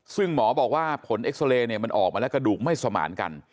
ซึ่งหมอบอกว่าผลเอ็กซาเรย์เนี่ยมันออกมาแล้วกระดูกไม่สมานกัน